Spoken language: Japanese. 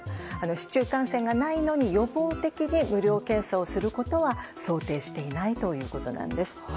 市中感染がないのに予防的に無料検査をすることは想定していないということなんです。